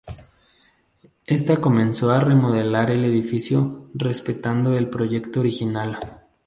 Ésta comenzó a remodelar el edificio respetando el proyecto original.